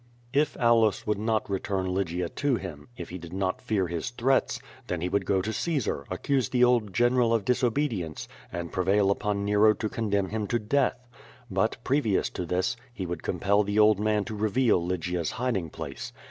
If Aulus would not return Lygia to him — if he did not fear his threats — ^then he would go to Caesar, accuse the old general of disobedience, and prevail upon Nero to condemn him to death. But, previous to this, he would compel the old man to reveal Lygia's hiding place.